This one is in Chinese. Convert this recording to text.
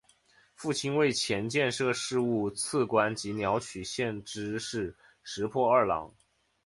父亲为前建设事务次官及鸟取县知事石破二朗。